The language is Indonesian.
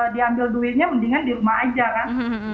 mungkin orang orang takut diambil duitnya mendingan di rumah aja kan